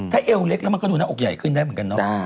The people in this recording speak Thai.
ถ้าเอวเล็กแล้วมันก็ดูหน้าอกใหญ่ขึ้นได้เหมือนกันเนาะ